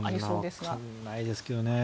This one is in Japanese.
わからないですけどね。